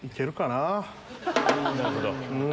なるほど。